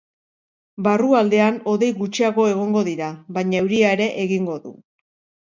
Barrualdean hodei gutxiago egongo dira, baina euria ere egingo du.